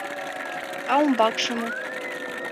А умбакше мо?